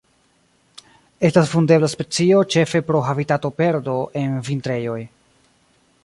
Estas vundebla specio ĉefe pro habitatoperdo en vintrejoj.